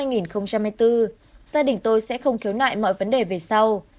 gia đình tôi sẽ không khiếu nại mọi vấn đề về sau